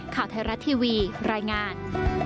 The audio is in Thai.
ข่าวไทยรัฐทีวีรายงาน